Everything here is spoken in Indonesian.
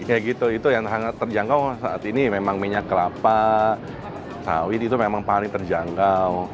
ya gitu itu yang sangat terjangkau saat ini memang minyak kelapa sawit itu memang paling terjangkau